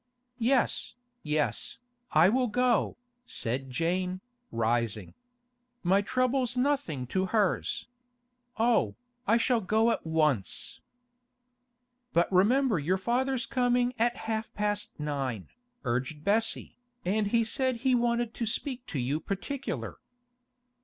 'Yes, yes, I will go,' said Jane, rising. 'My trouble's nothing to hers. Oh, I shall go at once.' 'But remember your father's coming at half past nine,' urged Bessie, 'and he said he wanted to speak to you particular.